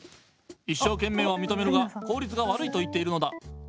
一生懸命は認めるが効率が悪いと言っているのだ。